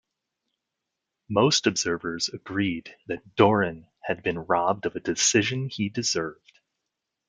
Most observers agreed that Dorin had been robbed of a decision he deserved.